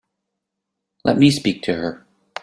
Let me speak to her.